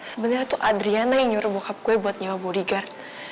sebenarnya tuh adriana yang nyuruh bokap gue buat nyawa bodyguard